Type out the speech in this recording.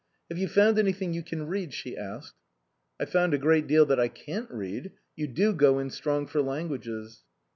" Have you found anything you can read ?" she asked. "I've found a great deal that I can't read. You do go in strong for languages."